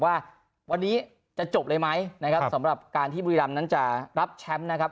ว่าวันนี้จะจบเลยไหมนะครับสำหรับการที่บุรีรำนั้นจะรับแชมป์นะครับ